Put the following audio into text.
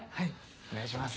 お願いします。